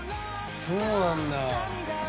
そうなんだ。